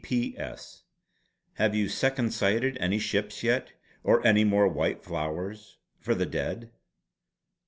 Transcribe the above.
"P.P.P.S. Have you second sighted any ships yet? Or any more white flowers for the Dead?"